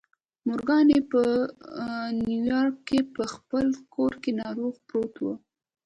مورګان په نیویارک کې په خپل کور کې ناروغ پروت و